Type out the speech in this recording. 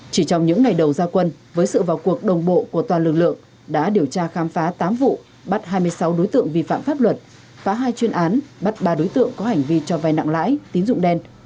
chỉ trong những ngày đầu gia quân với sự vào cuộc đồng bộ của toàn lực lượng đã điều tra khám phá tám vụ bắt hai mươi sáu đối tượng vi phạm pháp luật phá hai chuyên án bắt ba đối tượng có hành vi cho vai nặng lãi tín dụng đen